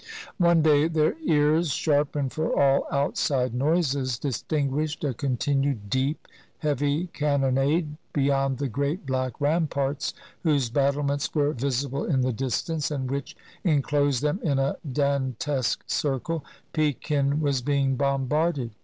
One day their ears, sharpened for all outside noises, distinguished a continued deep, heavy cannonade be yond the great black ramparts whose battlements were visible in the distance, and which inclosed them in a Dantesque circle ; Pekin was being bombarded